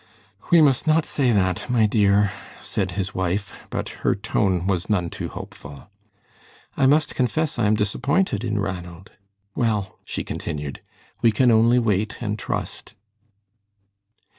"We must not say that, my dear," said his wife, but her tone was none too hopeful. "I must confess I am disappointed in Ranald. Well," she continued, "we can only wait and trust."